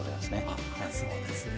あそうですね。